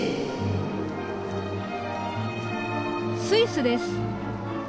スイスです。